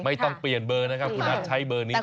ไม่ต้องเปลี่ยนเบอร์นะครับคุณนัทใช้เบอร์นี้